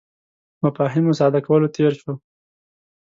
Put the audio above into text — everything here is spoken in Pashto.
مفاهیمو ساده کولو تېر شو.